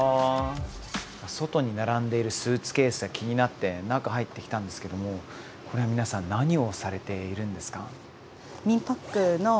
外に並んでいるスーツケースが気になって中入ってきたんですけどもこれは皆さん何をされているんですか？